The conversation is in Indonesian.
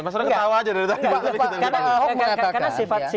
masro ketawa aja dari tadi